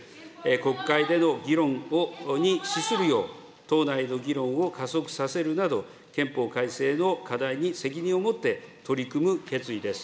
国会での議論に資するよう党内の議論を加速させるなど、憲法改正の課題に責任を持って取り組む決意です。